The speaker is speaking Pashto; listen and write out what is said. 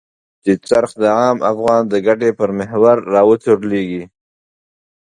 چې څرخ د عام افغان د ګټې پر محور را وچورليږي.